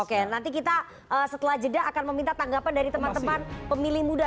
oke nanti kita setelah jeda akan meminta tanggapan dari teman teman pemilih muda